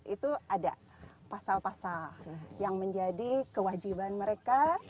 itu ada pasal pasal yang menjadi kewajiban mereka